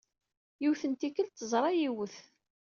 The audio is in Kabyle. Yiwet n tikkelt, teẓra yiwet.